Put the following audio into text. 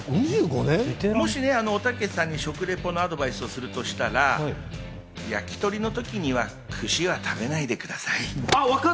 もしおたけさんに食リポのアドバイスをするとしたら、焼き鳥の時には串は食べないでください。